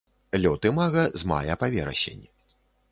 Лёт імага з мая па верасень.